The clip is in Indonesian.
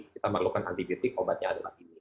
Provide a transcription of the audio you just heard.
kita memerlukan antibitik obatnya adalah ini